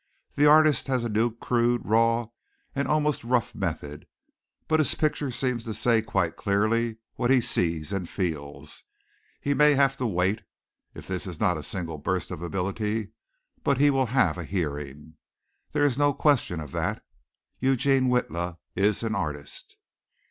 The artist has a new, crude, raw and almost rough method, but his picture seems to say quite clearly what he sees and feels. He may have to wait if this is not a single burst of ability but he will have a hearing. There is no question of that. Eugene Witla is an artist."